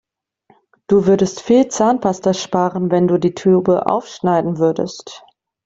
Du würdest viel Zahnpasta sparen, wenn du die Tube aufschneiden würdest.